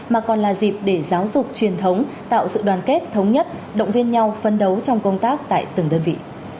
mà còn là dịp để giáo dục truyền thống tạo sự đoàn kết thống nhất động viên nhau phấn đấu trong công tác tại từng đơn vị